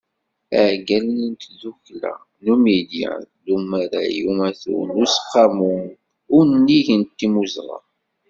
Iɛeggalen n tddukkla Numidya d umaray amatu n Useqqamu unnig n timmuzɣa.